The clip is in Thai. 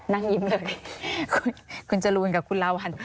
นั่งยิ้มเลยคุณจรูนกับคุณลาวัล